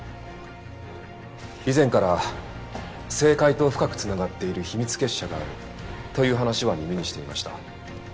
以前から政界と深く繋がっている秘密結社があるという話は耳にしていました。